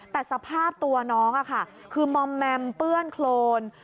แต่สภาพตัวน้องคือมอมแมมเปื้อนโครน